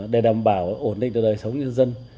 để đảm bảo ổn định đời sống nhân dân